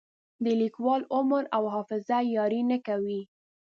د لیکوال عمر او حافظه یاري نه کوي.